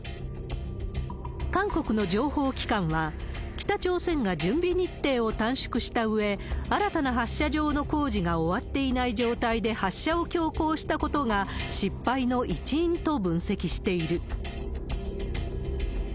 韓国の情報機関は、北朝鮮が準備日程を短縮したうえ、新たな発射場の工事が終わっていない状態で発射を強行したことが、失敗の一因と分析している。